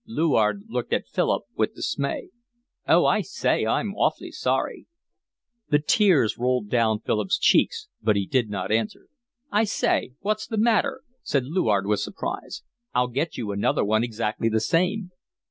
Luard looked at Philip with dismay. "Oh, I say, I'm awfully sorry." The tears rolled down Philip's cheeks, but he did not answer. "I say, what's the matter?" said Luard, with surprise. "I'll get you another one exactly the same."